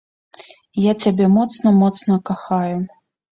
Я цябе моцна-моцна кахаю!